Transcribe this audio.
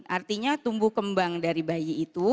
artinya tumbuh kembang dari bayi itu